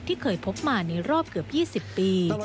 ที่เคยพบมาในรอบเกือบ๒๐ปี